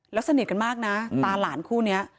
แล้วเสนียดกันมากนะตาหลานคู่เนี่ย